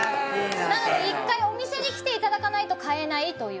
なので１回お店に来ていただかないと買えないという。